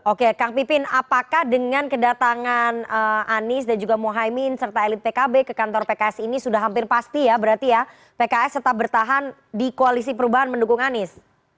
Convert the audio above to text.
oke kang pipin apakah dengan kedatangan anies dan juga mohaimin serta elit pkb ke kantor pks ini sudah hampir pasti ya berarti ya pks tetap bertahan di koalisi perubahan mendukung anies